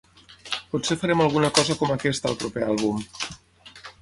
Potser farem alguna cosa com aquesta al proper àlbum.